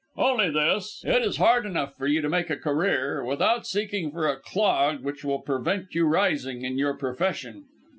"Only this. It is hard enough for you to make a career without seeking for a clog which will prevent you rising in your profession."